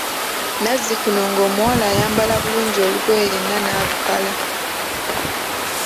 Nazzikuno ng'omuwala ayambala bulungi olugoye yenna n'abukala.